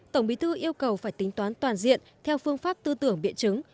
tổng bí thư yêu cầu phải tính toán toàn diện theo phương pháp tư tưởng biện chứng